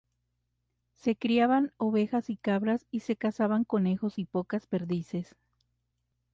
Se criaban ovejas y cabras, y se cazaban conejos y pocas perdices.